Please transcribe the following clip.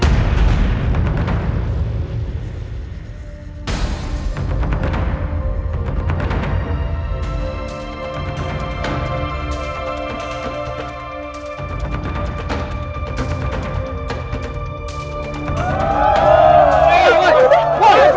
injil ada gak